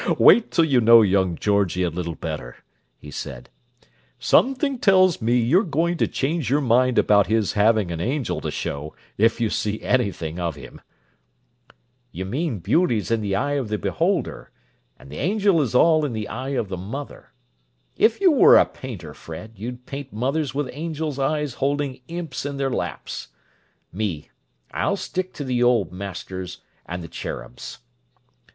"Wait till you know young Georgie a little better," he said. "Something tells me you're going to change your mind about his having an angel to show, if you see anything of him!" "You mean beauty's in the eye of the beholder, and the angel is all in the eye of the mother. If you were a painter, Fred, you'd paint mothers with angels' eyes holding imps in their laps. Me, I'll stick to the Old Masters and the cherubs."